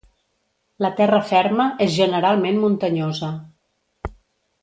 La terra ferma és generalment muntanyosa.